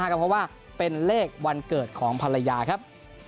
ก็เพราะว่าเป็นเลขวันเกิดของภรรยาครับ